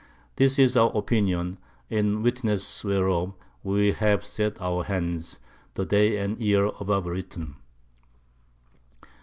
This is our Opinion, in witness whereof we have set our Hands, the Day and Year above written.